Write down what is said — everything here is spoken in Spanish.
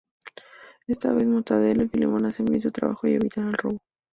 Esta vez Mortadelo y Filemón hacen bien su trabajo y evitan el robo.